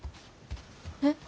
えっ？